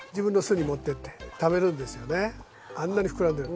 あんなに膨らんでる。